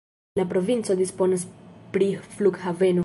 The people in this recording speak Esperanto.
La provinco disponas pri flughaveno.